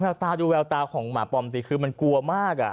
เอาตาดูแววตาของหมาปอมดีคือมันกลัวมากอ่ะ